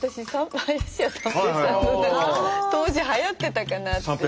当時はやってたかなっていう。